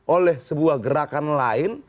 oleh sebuah gerakan lain